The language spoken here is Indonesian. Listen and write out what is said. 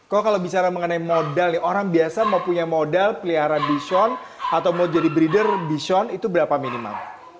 kok kalau bicara mengenai modal nih orang biasa mau punya modal pelihara bison atau mau jadi breeder deson itu berapa minimal